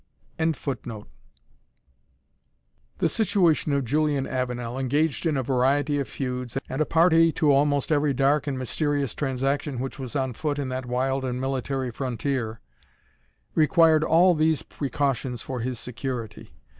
] The situation of Julian Avenel, engaged in a variety of feuds, and a party to almost every dark and mysterious transaction which was on foot in that wild and military frontier, required all these precautions for his security.